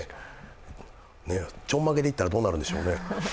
ちょんまげで行ったらどうなるんでしょうね？